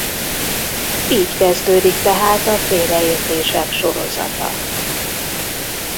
Így kezdődik tehát a félreértések sorozata.